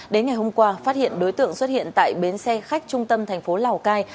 đến ngày hôm qua phát hiện đối tượng xuất hiện tại bến xe khách trung tâm thành phố lào cai